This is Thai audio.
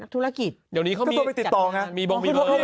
ทุรกิจ่างนี้เขามีอ่ะมีบองมีเบอร์